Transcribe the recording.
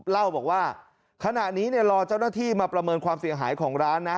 เล่าบอกว่าขณะนี้เนี่ยรอเจ้าหน้าที่มาประเมินความเสียหายของร้านนะ